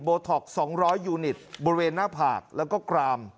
ท็อก๒๐๐ยูนิตบริเวณหน้าผากแล้วก็กราม